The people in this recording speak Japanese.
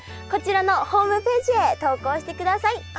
こちらのホームページへ投稿してください。